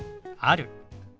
「ある」。